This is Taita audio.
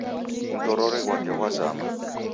Mtorori ghwake ghwazama